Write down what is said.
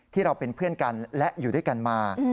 ที่เราเป็นเพื่อนกันและอยู่ด้วยกันมา